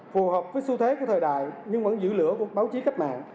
phù hợp với xu thế của thời đại nhưng vẫn giữ lửa của báo chí cách mạng